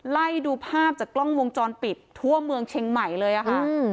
ไล่ดูภาพจากกล้องวงจรปิดทั่วเมืองเชียงใหม่เลยค่ะ